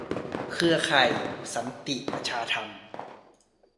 เครือข่ายสันติประชาธรรม